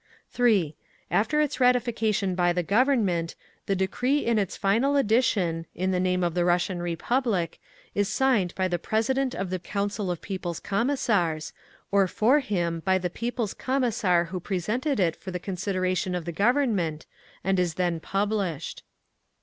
3. After its ratification by the Government, the decree in its final edition, in the name of the Russian Republic, is signed by the president of the Council of People's Commissars, or for him by the People's Commissar who presented it for the consideration of the Government, and is then published.